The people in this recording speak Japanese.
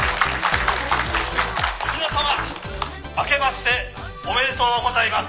「皆様あけましておめでとうございます」